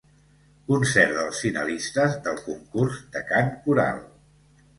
Concert dels finalistes del concurs de cant coral.